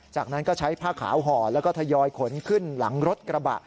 จากนั้นก็ใช้ผ้าขาวห่อแล้วก็ทยอยขนขึ้นหลังรถกระบะ